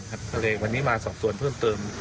ก็เลยวันนี้มาสอบส่วนเพิ่มเติม